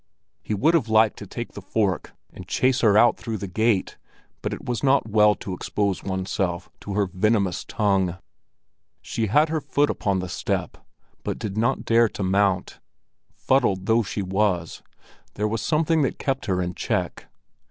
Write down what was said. He would have liked to take the fork and chase her out through the gate, but it was not well to expose one's self to her venomous tongue. She had her foot upon the step, but did not dare to mount. Fuddled though she was, there was something that kept her in check.